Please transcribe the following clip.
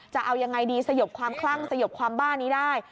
จะเอายังไงดีสยบความคลั่งสยบความบ้านี้ได้